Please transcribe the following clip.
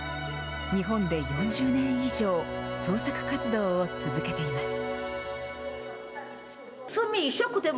日本で４０年以上、創作活動を続けています。